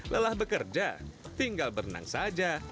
lelah bekerja tinggal berenang saja